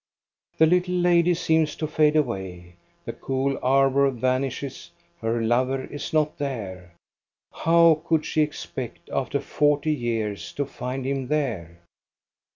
The little lady seems to fade away. The cool arbor vanishes, her lover is not there. How could she expect, after forty years, to find him there?